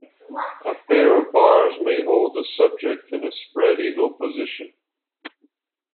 A pair of bars may hold the subject in a spreadeagle position.